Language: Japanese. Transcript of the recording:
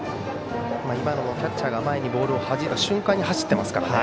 今のもキャッチャーが前にボールをはじいた瞬間に走っていますからね。